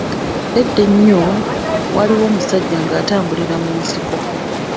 Edda ennyo, waaliwo omusajja nga atambulira mu nsiko.